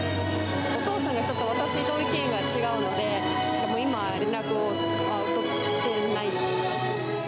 お父さんがちょっと私の意見が違うので、今、連絡を取ってない。